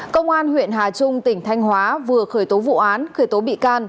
công an huyện hà trung tỉnh thanh hóa vừa khởi tố vụ án khởi tố bị can